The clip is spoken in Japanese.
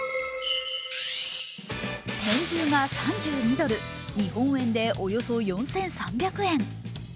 天重が３２ドル、日本円でおよそ４３００円。